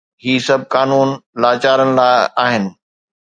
هي سڀ قانون لاچارن لاءِ آهن.